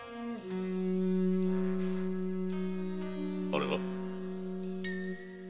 あれは？